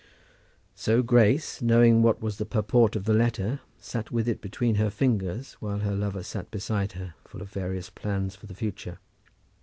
So Grace, knowing what was the purport of the letter, sat with it between her fingers, while her lover sat beside her, full of various plans for the future.